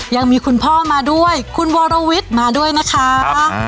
ยังมีคุณพ่อมาด้วยคุณวรวิทย์มาด้วยนะคะ